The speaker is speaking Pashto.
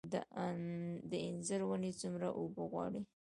د انځر ونې څومره اوبه غواړي؟